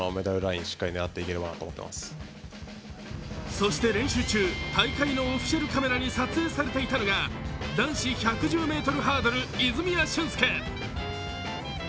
そして練習中、大会のオフィシャルカメラに撮影されていたのが男子１１０ｍハードル・泉谷駿介。